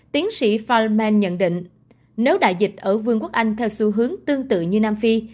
tiến sĩ fil man nhận định nếu đại dịch ở vương quốc anh theo xu hướng tương tự như nam phi